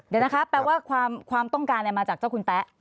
เดี๋ยวนะคะแปลว่าความต้องการมาจากเจ้าคุณแป๊ะ